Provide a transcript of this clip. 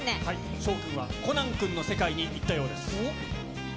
翔君はコナン君の世界に行ったようです。